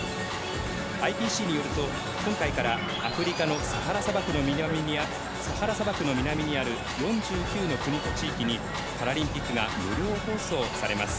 ＩＰＣによると、今回からアフリカのサハラ砂漠の南にある４９の国と地域にパラリンピックが無料放送されます。